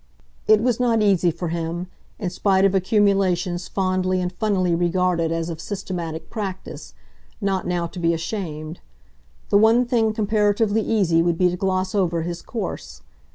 It was not easy for him, in spite of accumulations fondly and funnily regarded as of systematic practice, not now to be ashamed; the one thing comparatively easy would be to gloss over his course.